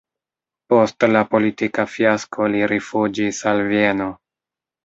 Post la politika fiasko li rifuĝis al Vieno.